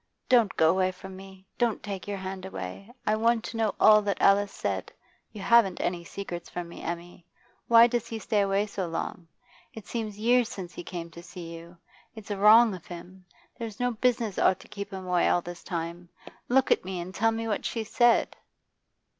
'Don't go away from me; don't take your hand away. I want to know all that Alice said. You haven't any secrets from me, Emmy. Why does he stay away so long? It seems years since he came to see you. It's wrong of him. There's no business ought to keep him away all this time. Look at me, and tell me what she said.